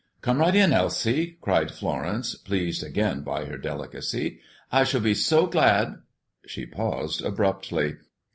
"Come right in, Elsie," cried Florence, pleased again by her delicacy. "I shall be so glad " She paused abruptly.